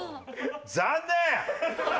残念！